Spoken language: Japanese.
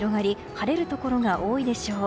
晴れるところが多いでしょう。